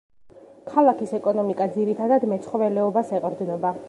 ქალაქის ეკონომიკა ძირითადად მეცხოველეობას ეყრდნობა.